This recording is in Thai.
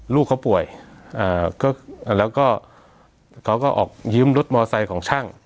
ลูกเขาป่วยแล้วก็เขาก็ออกยืมรถมอไซค์ของช่าง